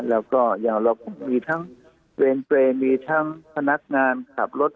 แล้วก็อย่างเรามีทั้งเวรเปรย์มีทั้งพนักงานขับรถ